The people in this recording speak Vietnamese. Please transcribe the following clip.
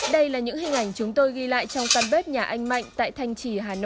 đây là những hình ảnh chúng tôi ghi lại trong căn bếp nước